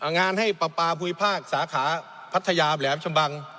งานให้ปลาปลาภูมิภาคสาขาพัทยาแหลมชะบัง